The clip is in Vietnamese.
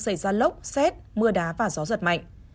xảy ra lốc xét mưa đá và gió giật mạnh